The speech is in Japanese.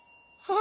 あ！